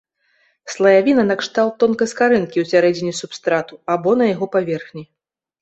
Слаявіна накшталт тонкай скарынкі, усярэдзіне субстрату або на яго паверхні.